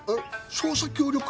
捜査協力？